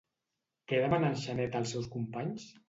Què demana en Xaneta als seus companys?